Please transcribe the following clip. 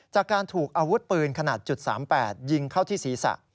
จากการถูกอาวุธปืนขนาด๓๘ยิงเข้าที่ศีรษะ